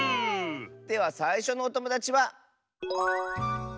ではさいしょのおともだちは。